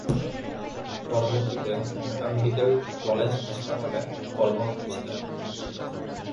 পরবর্তীতে Dhaka medical college হাসপাতালে কর্মরত ছিলেন।